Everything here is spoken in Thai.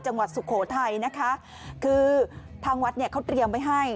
สุโขทัยนะคะคือทางวัดเนี่ยเขาเตรียมไว้ให้